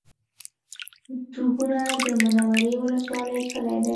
ډبونه د منورې ولسوالۍ کلی دی